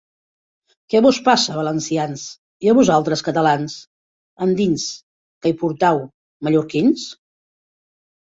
Què vos passa, valencians? I a vosaltres, catalans? Endins, què hi portau, mallorquins?